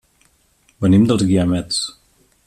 Venim dels Guiamets.